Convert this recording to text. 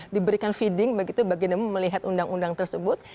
diberikan feeding begitu bagi nemu melihat undang undang tersebut